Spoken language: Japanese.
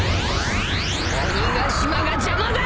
鬼ヶ島が邪魔だ！